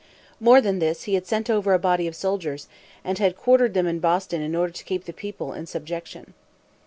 More than this, he had sent over a body of soldiers, and had quartered them in Boston in order to keep the people in subjection.